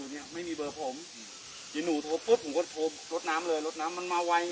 เค้าเลี้ยงไว้อยู่ตรงนู้นเค้าเห็นไง